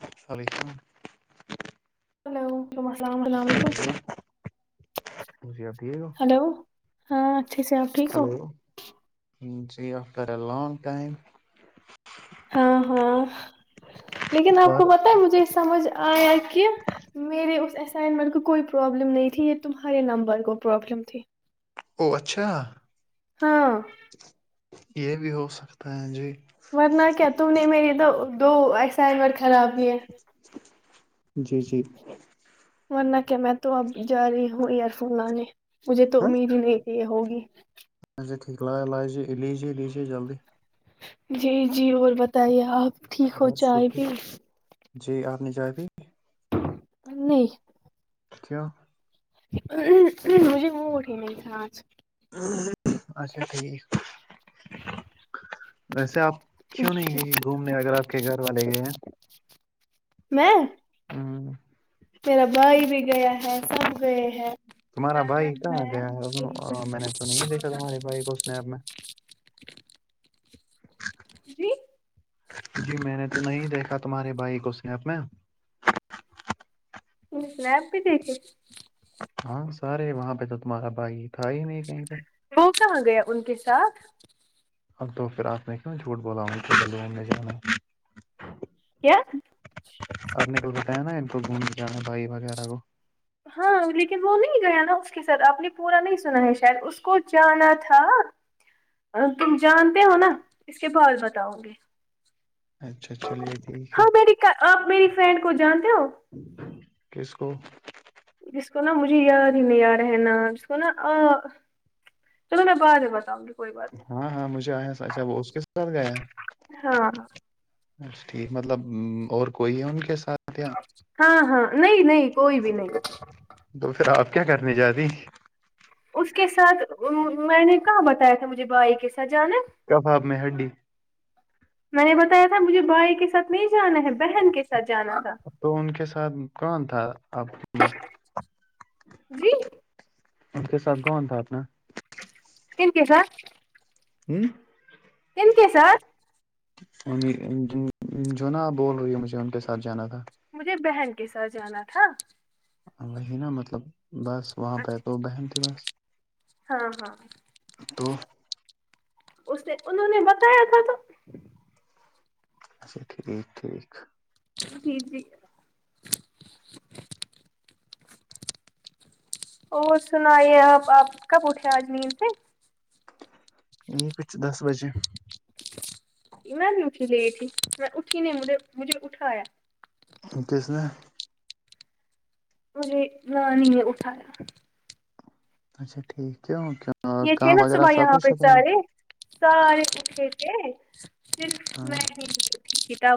السلیکم hello وعم السلام السلام علیکم علیکم جی آپ ٹھیک ہو ہلو ہاں اچھے سے آپ ٹھیک ہو ہلو جی آفٹر اے لانگ ٹائم ہاں ہاں لیکن آپ اور کو پتا ہے مجھے سمجھ آیا کہ میرے اس اسائنمنٹ کو کوئی پرابلم نہیں تھی یہ تمہارے نمبر کو پرابلم تھی او اچھا ہاں یہ بھی ہو سکتا ہے جی ورنہ کیا تم نے میرے تو دو اسائنمنٹ خراب ہوئے جی جی ورنہ کیا میں تو اب جا رہی ہوں ایئر فون لانے مجھے تو ہاں امید ہی نہیں یہ ہوگی اچھا ٹھیک ل لاجے لیجیے لیجیے جلدی جی جی اور بتائیے آپ ٹھیک ہو بس چائے شکر پی جی آپ نے جاکے نہیں کیا مجھے موڈ ہی نہیں تھا آج اچھا ٹھیک ویسے آپ کیوں نہیں گئی گھومنے اگر آپ کے گھر والے گئے ہیں میں ہوں میرا بھائی بھی گیا ہے سب گئے ہیں تمہارا گھر میں بھائی میں کہاں گیا میری ہے میں نے بہن تو نہیں اور دیکھا کزن۔ تمہاری بھائی کو اس اسنیپ میں جی جی میں نے تو نہیں دیکھا تمہارے بھائی کو اسنیپ میں اسنیپ پے دیکھے ہاں سارے وہاں پہ تو تمہارا بھائی تھا ہی نہیں کہیں پہ وہ کہاں گیا ان کے ساتھ تو پھر آپ نے کیوں جھوٹ بولا مجھے میں جانا کیا آپ نے کل بتا ہے نا ان کو گھوم نے جانا بھائی وغیرہ کو ہاں لیکن وہ نہیں گیا نا اس کے ساتھ آپ نے پورا نہیں سنا ہے شاید اس کو جانا تھا اب تم جانتے ہو نا اس کے بعد بتاؤ اچھا چلیے ٹھیک ہے آپ میری کا آپ میری فرینڈ کو جانتے ہو کس کو جس کو نا مجھے یاد ہی نہی آرہا نام اسکو نا ا چلو میں بعد میں بتاؤنگی ہاں ہاں مجھے آیا اچھا وہ اس کے ساتھ گیا ہاں اچھا ٹھیک مطلب اور کوئی ہے ان کے ساتھیاں ہاں ہاں نہیں نہیں کوئی بھی نہیں تو پھر آپ کیا کرنے جارہی اس کے ساتھ میں نے کہاں بتایا تھا مجھے بھائی کے ساتھ جانا ہے، کباب میں ہڈی میں نے بتایا تھا مجھے بھائی کے ساتھ نہیں جانا ہے بہن کے ساتھ جانا تھا اب تو ان کے ساتھ کون تھا آپ ان جی ان کے ساتھ کون تھا اپنا کن کے ساتھ ہوں کن کے ساتھ ممی جو جو نا بول رہی ہے مجھے ان کے ساتھ جانا تھا مجھے بہن کے ساتھ جانا تھا وہی نا مطلب بس وہاں پہ تو بہن تھی بس ہاں ہاں تو اس نے انہوں نے بتایا تھا تو اچھا ٹھیک ٹھیک جی جی اور سنائیے اب آپ کب اٹھے آج نیند سے یہ کچھ دس بجے میں بھی اٹھی لیٹ میں اٹھی نہیں مھے مجھے بھی اٹھایا کس نے مجھے نانی نے اٹھایا اچھاٹھیک کیوں کیوں یہ تھے کام نا وغیرہ صبح سب یہاں کچھ پہ ختم کیا؟ سارے سارے اٹھے ہیے صرف میں ہاں ہی اٹھی تھی تب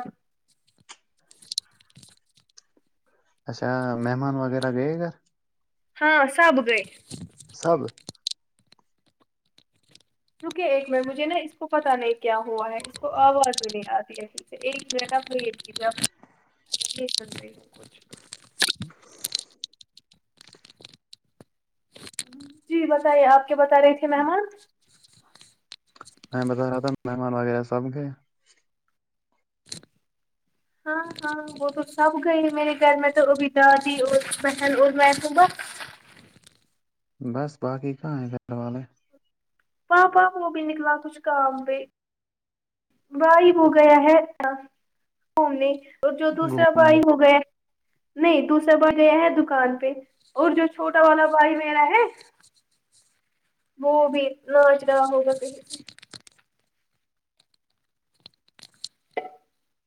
اچھا مہمان وغیرہ گئے گھر ہاں سب گئے سب رکے ایک منٹ مجھے نا اس کو پتہ نہیں کیا ہوا ہے اس کو آواز بھی نہیں آتی ایسی ایک گھنٹہ ویٹ کیا [unintelligible] جی بتائیے آپ کیا بتا رہی تھے مہمان میں بتا رہا تھا مہمان وغیرہ سب گئے ہاں ہاں وہ تو سب گئی میرے گھر میں تو ا بھی دادی اور بہن اور میں ہوں بس بس باقی کہاں ہیں گھر والے پاپا وہ بھی نکلا کچھ کام پہ بھائی وہ گیا ہے اب گھومنے اور جو دوسرا گھومنے بھائی وہ گیے نہیں دوسرا بھائی گئے ہے دکان پہ اور جو چھوٹا والا بھائی میرا ہے وہ بھی ناچ رہا ہوگا کہیں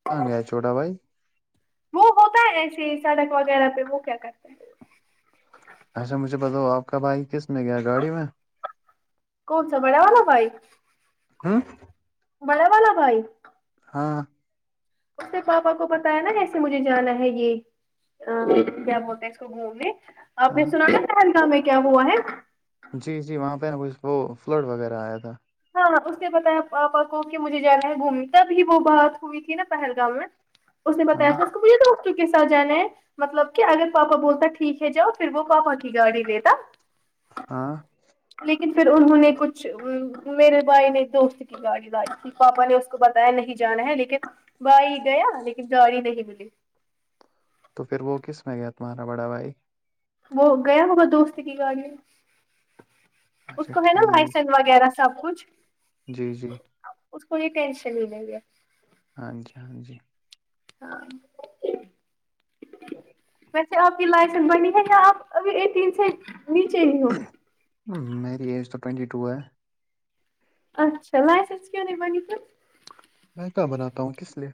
کہاں گیا چھوٹا بھائی وہ ہوتا ہے ایسیے سڑک وغیرہ پہ وہ کیا کرتے ہیں اچھا مجھے بتاؤ آپ کب آئ کس میں کیا گاڑی میں کونسا بڑا والا بھائی ہاں بڑا والا بھائی ہاں اس کے پاپا کو بتایا نا کیسے مجھے جانا ہے یہ کیا بولتے ہے اس کو گھومنے آپ نے ہاں سنا ہے پہیلگام میں کیا ہوا ہے جی جی وہاں پہ نا اسکو فلڈ وغیرہ آیا تھا ہاں اس نے بتایا پاپا کو کہ مجھے جانا ہے گھومنی تبھی وہ بات ہوئی تھی نا پہلگام میں اس نے ہاں بتایا تھا اس کو بھی ڈاکٹر کے سات جانے ہے مطلب کہ اگر پاپا بولتا ٹھیک ہے جاؤ پھر وہ پاپا کی گاڑی لیتا ہاں لیکن پھر انہوں نے کچھ امم میرے بھائی نے دوست کی گاڑی لاۓ تھی پاپا نے اس کو بتایا نہیں جانا ہے لیکن بھائی گیا لیکن گاڑی نہیں ملی تو پھر وہ کس میں گیا تمہارا بڑا بھائی وہ گیا ہوگا دوست کی گاڑی اس اچھا کو ہے نا ٹھیک لائیسن وغیرہ سب کچھ جی جی اس کو یہ ٹینشن ہی نہیں ہے ہاں جی ہاں جی ہاں ج ویسے آپ کی لائسنس بنی ہے یا آپ ابھی اسی سے نیچے ہی ہوگی میری ایج تو ٹوینٹی ٹو ہے اچا لائسینس کیوں نہیں بنی پھر میں کا بناتا ہوں کس لیے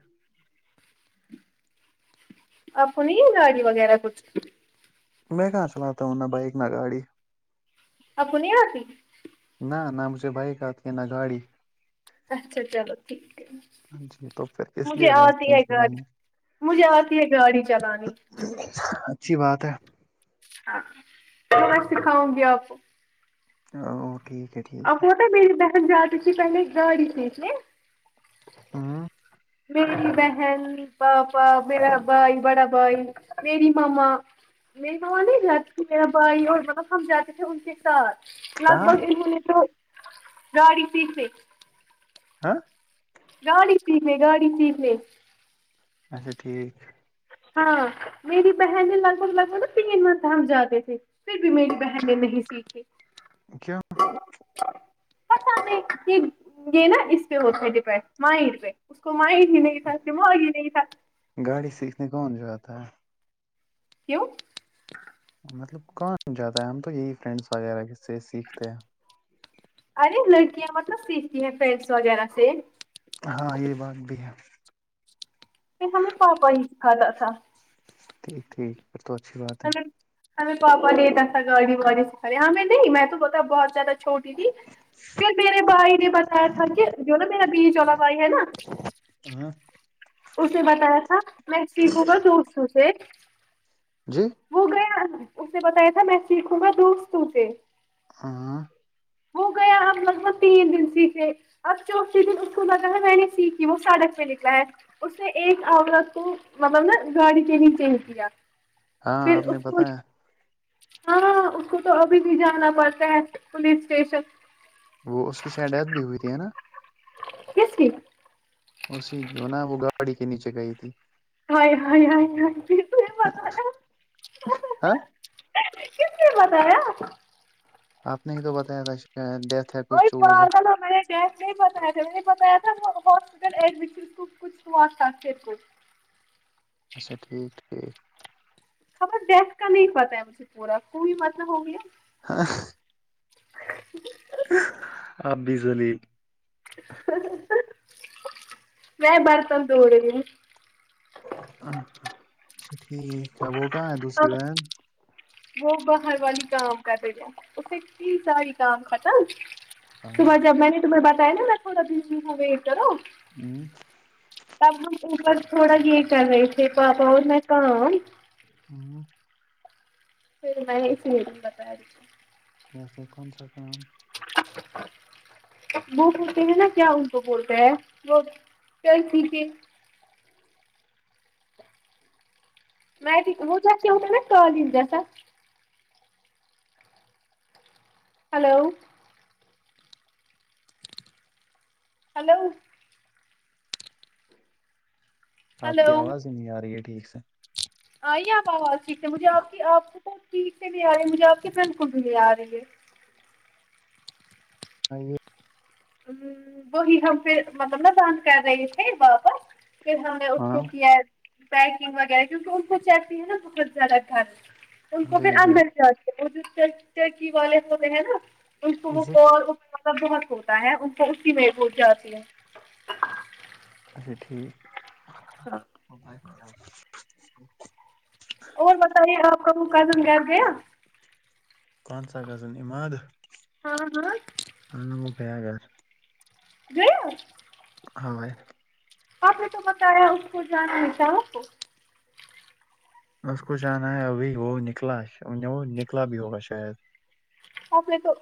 آپ کو نہیں ہے گاڑی وغیرہ کچھ میں کہاں چلاتا ہوں نہ بائک نہ گاڑی آپ کو نہیں آتی نہ نہ مجھے بائیک آتی ہے نہ گاڑی اچھا چلو ٹھیک ہے ہاں جی تو پھر اس مجھے لیے آتی ہے لائسنس گاڑی نکالنی مجھے آتی ہے گاڑی چلانی اچھی بات ہے ہاں میں سکھاؤں گی آپ کو ہاو ٹھیک ہے ٹھیک آپ ہے ہوتا میری بہن جاتی تھی پہلے گاڑی پہ ہے ہاں میری بہن پاپا میرا بھائی بڑا بھائی میری مما میری تو وہاں نہیں جاتی تھی میرا بھائی اور مطلب ہم جاتے تھے ان کے ایک ساتھ لگ کہاں بھگ انہوں نے تو گاڑی سیکھلی ہاں گاڑی سیکھ لے گاڑی سیکھ لے اچھا ٹھیک ہاں میری بہن لگ بھگ لگ بھگ تین میں تھک جاتے تھے پھر بھی میری بہن نے نہیں سیکھی کیا پتہ نہیں کہ یہ نا اس پہ ہوتے ہیں ڈپینڈ مائنڈ پہ اس کو مائنڈ ہی نہیں تھا دماغ ہی نہیں تھا گاڑی سے سیکھنے کون جاتا ہے کیوں مطلب کون جاتا ہے ہم تو یہی فرینڈس وغیرہ کے سے سیکھتے ہیں ارے لڑکیاں مطلب سیکھتی ہیں فرینڈس وغیرہ سے ہاں یہ بات بھی ہے نہیں ہمیں پاپا ہی سکھاتا تھا ٹھیک ٹھیک پھر تو اچھی بات ہے ہم ہمیں پاپا نے اتنا سا گاڑی واڑی سکھایا ہمیں نہیں میں تو پتا بہت زیادہ چھوٹی تھی پھر میرے بھائی نے بتایا تھا کہ جو نا میرا بیچ والا بھائی ہے نا ہاں اس نے بتایا تھا میں سیکھوں گا دوستوں سے جی وہ گیا اس نے بتایا تھا میں سیکھوں گا دوستوں سے ہاں ہو گیا ہم لگ بهگ تین دن سیکھے اب چوتھے دن اس کو بتا ہے میں نے سیکھی وہ ساڑک پہ نکلا ہے اس نے ایک عورت کو مطلب نا گاڑی کے نیچے ہی دیا پھر ہاں آپ نے اس کو بتایا ہاں اس کو تو ابھی بھی جانا پڑتا ہے پولیس اسٹیشن وہ اس کی شاید ڈیت بھی ہوئی تھی ہے نا کس کی اسی جو نا وہ گاڑی کے نیچے گئی تھی ہائے ہائے ہائے ہاے کس نے بتایا ہے ہاں کس نے بتایا آپ نے ہی تو بتایا تھا شاید ڈیت اوئے پاگل ہوں میں ایسے نہیں بتایا تھا میں بتایا تھا ہاسپٹل ایڈمٹ تھی اس کو کچھ ہوا تھا پھر کچھ اچھا ٹھیک ٹھیک خبر ڈیتھ کا نہیں پتا ہے مجھے پورا کوئی متہ ہو گیا ہاں اب بھی سنی میں برتن دھو رہی ہوں اں ہاں اچھا ٹھیک ہے وہ کہاں ہے دوسری بہن وہ باہر والی کام کرتے تھے اسے ساری کام ختم ہاں صبح جب میں نے تمہیں بتایا نا تھوڑا دن د ویٹ کرو نے اب ہم اوپر تھوڑا یہ کر رہے تھے پاپا اور میں کام ہاں پھر میں اس سے بتا رہی تھی ویسے کون سا کام [inaudible] وہ بولتے ہیں نا کیا ان کو بولتا ہے وہ [unintelligible] کہ م ہو ج کے ہوٹا نا کالج جسا [unintelligible] ہلو ہلو آپ کی آواز ہی نہیں آ رہی ہے ٹھیک سے آئ آپ آواز ٹھیک سے مجھے آپ کی آپ وہ ٹھیک سے نہیں آ رہ ہے مجھے آپ کے بالکل بھی نہیں آ رہی ہے آی ہے ہمم وہی ہم پہ مطلب نا بند کر رہے تھے واپس پھر ہمیں اس ہاں کو کیا پیکنگ وغیرہ کیونکہ ان کو چاہتی ہے نا بہت زیادہ گھر ان کو پھر جی جی اندر جاتی وہ ٹکسی والے ہو ہیں نا اس کو وہ جی بہت ہو [unintelligible] ان کو اسی میں بھول جاتی ہے اچھا ٹھیک ہاں ا بائی [unintelligible] اور بتائیے آپ کا [inaudible] قدم گ گیا کونسا غزل عماد ہاں ہاں [unintelligible] گیا ہاں ہے آپ نے تو بتایا اس کو جاننے چاہو کو اس کو جانا ہے ابھی وہ نکلا وہ نکلا بھی ہوگا شاید آپ نے تو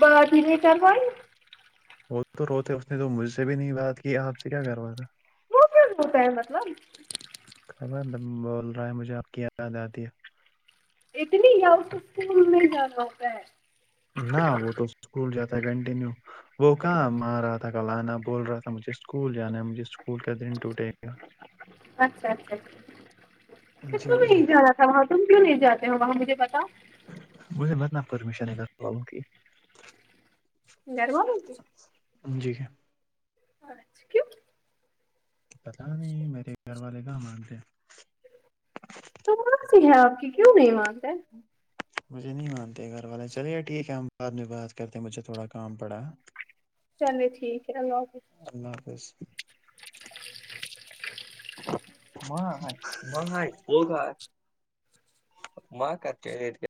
بات ہی نہیں کروائی وہ تو روتے اس نے تو مجھ سے بھی نہیں بات کی آپ سے کیا کرواتا وہ کیوں روتا ہے مطلب خبر بول رہا ہے مجھے آپ کی یاد آتی ہے اتنی یا [unintelligible] سے گومنے جانا ہوتا ہے نہ وہ تو اسکول جاتا ہے کنٹینیو وہ کہاں ما آ رہا تھا کلاننا بول رہا تھا مجھے اسکول جانا مجھے اسکول کا دن ٹوٹے گا جی تم جی نہیں جانا تھا وہاں تم کیوں نہیں جاتے ہو وہاں مجھے پتا مجھے متنا پرمیشن ہے گھر والوں کی گھر والوں کی جی اچھا کیوں پتا نہیں میرے گھر والے کہاں مانتے ہیں تو وہاں س ہے آپ کی کیوں نہیں مانتے ہے مجھے نہیں مانتے گھر والے چلے ٹھیک ہے ہم بعد میں بات کرتے مجھے تھوڑا کام پڑا چلے ٹھیک ہے اللہ حافظ اللہ حافظ [unintelligible] ماں کا چاہیتا